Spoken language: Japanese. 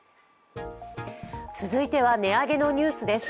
続いては値上げのニュースです。